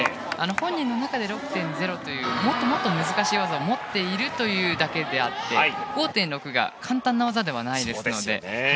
本人の中で６．０というもっともっと難しい技を持っているというだけであって５．６が簡単な技ではないので。